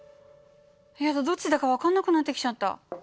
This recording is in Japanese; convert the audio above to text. やだどっちだか分かんなくなってきちゃった。